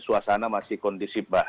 suasana masih kondisip